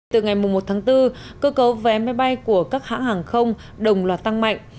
từ ngày một tháng bốn cơ cấu vé máy bay của các hãng hàng không đồng loạt tăng mạnh